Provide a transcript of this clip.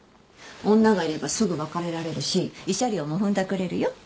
女がいればすぐ別れられるし慰謝料もふんだくれるよ。